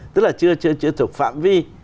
tức là chưa thuộc phạm vi